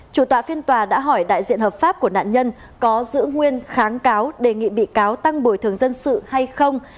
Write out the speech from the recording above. chủ tọa phiên tòa đã hỏi đại diện hợp pháp của nạn nhân có giữ nguyên kháng cáo đề nghị bị cáo tăng bồi thường dân sự hay không